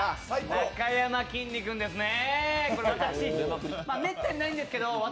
なかやまきんに君ですね。